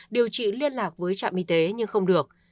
điều trị liên lạc với trạm y tế nhưng không được